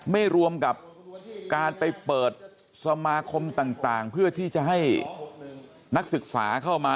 ไม่รวมกับการไปเปิดสมาคมต่างเพื่อที่จะให้นักศึกษาเข้ามา